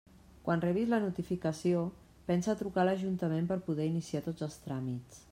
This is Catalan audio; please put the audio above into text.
Quan rebis la notificació, pensa a trucar a l'ajuntament per poder iniciar tots els tràmits.